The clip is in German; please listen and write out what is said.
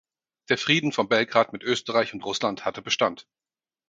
Der Frieden von Belgrad mit Österreich und Russland hatte Bestand.